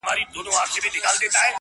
زړه چي ستا عشق اکبر کي را ايسار دی,